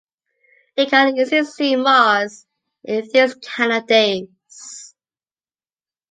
You can easily see Mars in these kind of days.